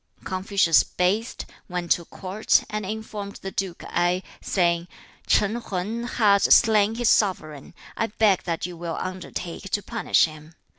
2. Confucius bathed, went to court, and informed the duke Ai, saying, 'Chan Hang has slain his sovereign. I beg that you will undertake to punish him.'